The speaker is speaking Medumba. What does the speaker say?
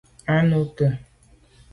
A nu ke ?